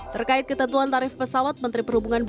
terkait ketentuan tarif pesawat menteri perhubungan